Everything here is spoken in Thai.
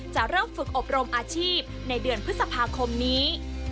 จะเริ่มฝึกอบรมอาชีพในเดือนพฤษภาคมนี้